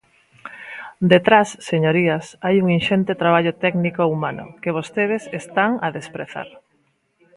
Detrás, señorías, hai un inxente traballo técnico e humano, que vostedes están a desprezar.